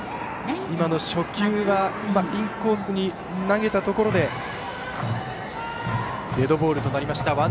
今の初球はインコースに投げたところでデッドボールになりました。